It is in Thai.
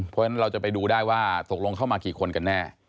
เพราะฉะนั้นเราจะไปดูได้ว่าตกลงเข้ามากี่คนกันแน่